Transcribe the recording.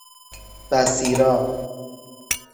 بَصیرا